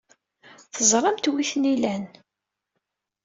Teẓramt anwa ay ten-ilan.